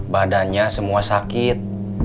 badannya semua sakit